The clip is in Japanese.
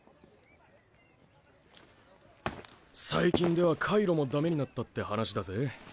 最近では海路もダメになったって話だぜ。